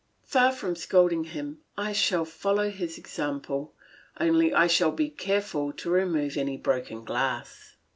Far from scolding him, I shall follow his example; only I shall be careful to remove any broken glass.